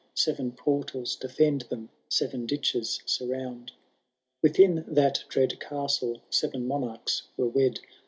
Seven portals defend them, seven ditches surround. Within that dread castle sev^ monarchs were wed.